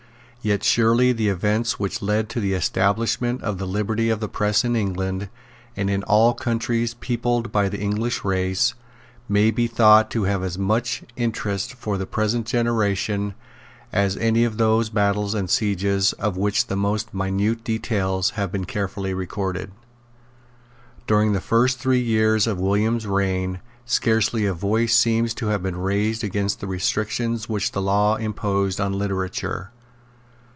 Yet surely the events which led to the establishment of the liberty of the press in England, and in all the countries peopled by the English race, may be thought to have as much interest for the present generation as any of those battles and sieges of which the most minute details have been carefully recorded. During the first three years of William's reign scarcely a voice seems to have been raised against the restrictions which the law imposed on literature.